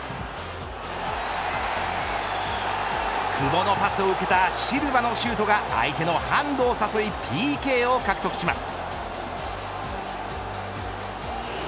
久保のパスを受けたシルバのシュートが相手のハンドを誘いＰＫを獲得します。